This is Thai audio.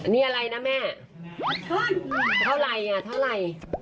นี่อะไรนะแม่เท่าไรอ่ะเท่าไหร่